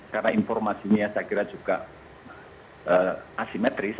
karena informasinya saya kira juga asimetris